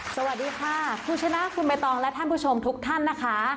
สวัสดีค่ะคุณชนะคุณใบตองและท่านผู้ชมทุกท่านนะคะ